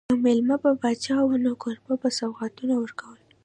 که مېلمه به پاچا و نو کوربه به سوغاتونه ورکول.